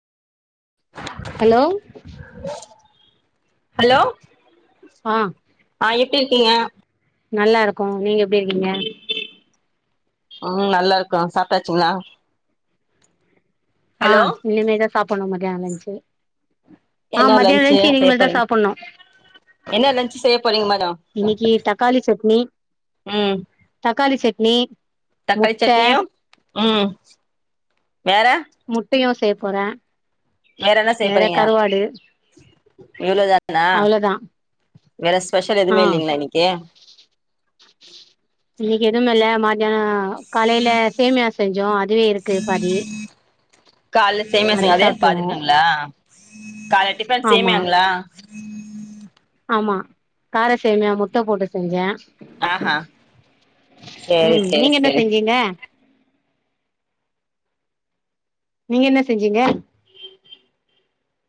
Hello hello ஆ ஆ எப்டி இருக்கீங்க நல்லா இருக்கோம் நீங்க எப்டி இருக்கீங்க ம் நல்லா இருக்கோம். சாப்டாச்சுங்களா ஆ இனிமேதா சாப்பிடணும் மதியானம் லஞ்சு ஆ என்ன மதியான லன்ச்சு லஞ்சு இனி செய்ய மேல தா போறீங்க சாப்பிடணும் என்ன லன்ச்சு செய்ய போறீங்க மேடம் இன்னைக்கு டக் தக்காளி சட்னி ம் தக்காளி சட்னி தக்காளி முட்ட சட்னியு ம் வேற முட்டையு செய்ய வேற என்ன செய்ய போறே போறீங்க கருவாடு இவ்ளோதானா அவ்ளோதா வேற ஸ்பெஷல் ஆ எதுவுமே இல்லேங்களா இன்னைக்கு இன்னைக்கு எதுவும இல்ல மத்தியான காலேயில சேமியா செஞ்சோ அதுவே இருக்கு பாதி காலல அது சேமியா அதே சாப்ட்ருவோ பாதிருக்காங்களா ம் கால டிபன் ஆமா சேமியாங்களா ஆமா கார சேமியா முட்ட போட்டு செஞ்சே ஆஹா சேரி ம் சேரி நீங்க என்ன சேரி செஞ்சீங்க நீங்க என்ன செஞ்சீங்க